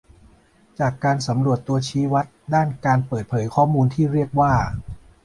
จากการสำรวจตัวชี้วัดด้านการเปิดเผยข้อมูลที่เรียกว่า